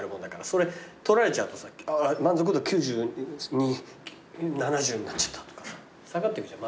それ取られちゃうと満足度９２７０になっちゃったとかさ下がってくじゃん。